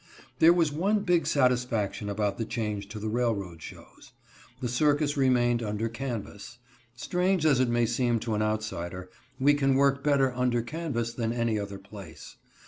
There was one big satisfaction about the change to the railroad shows. The circus remained under canvas. Strange as it may seem to an outsider, we can work better under canvas than any other place.